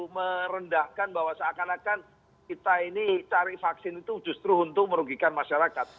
merendahkan bahwa seakan akan kita ini cari vaksin itu justru untuk merugikan masyarakat